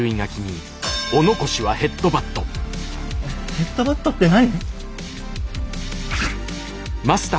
ヘッドバットって何？